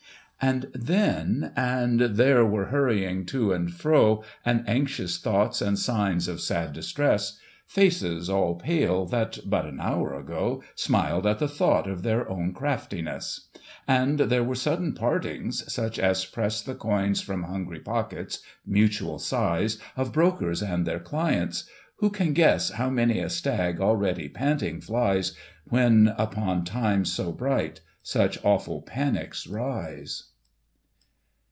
And then, and there were hurryings to and fro, And anxious thoughts, and signs of sad distress, P'aces all pale, that, but an hour ago Smiled at the thought of their own craftiness ; And there were sudden partings, such as press The coins from hungry pockets, mutual sighs Of brokers and their clients. Who can guess How many a " stag " already panting flies. When upon times so bright, such awful panics rise